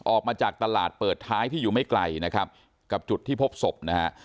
ออกมาจากตลาดเปิดท้ายที่อยู่ไม่ไกลนะครับกับจุดที่พบศพนะฮะ